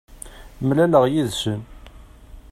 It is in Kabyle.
Mlaleɣ yid-sen.